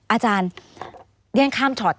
อาจารย์เรียกข้ามเฉิด